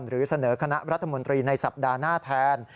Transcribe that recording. หรือเสนอคณะรัฐมนตรีในสัปดาห์หน้าแทน